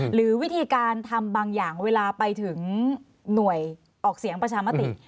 หรือวิธีการทำบางอย่างเวลาไปถึงหน่วยออกเสียงประชามติ